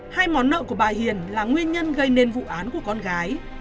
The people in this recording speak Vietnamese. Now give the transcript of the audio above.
hai món nợ của bà hiền là nguyên nhân gây nên vụ án của con gái